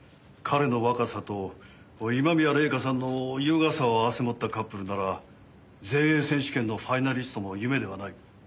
彼の若さと今宮礼夏さんの優雅さを合わせ持ったカップルなら全英選手権のファイナリストも夢ではない。